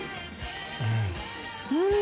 うん！